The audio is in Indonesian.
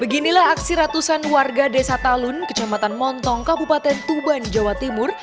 beginilah aksi ratusan warga desa talun kecamatan montong kabupaten tuban jawa timur